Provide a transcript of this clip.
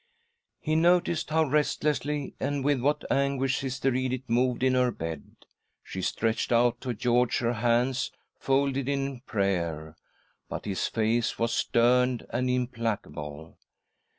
He noticed how restlessly and with what anguish Sister Edith moved in her bed. She stretched out to George her hands folded in prayer, but his face was stern and implacable.